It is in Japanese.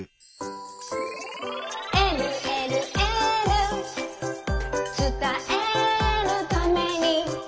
「えるえるエール」「つたえるために」